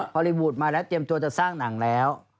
พอลีวูดมาแล้วเตรียมตัวจะสร้างหนังแล้ว